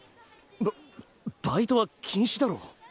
ババイトは禁止だろ！？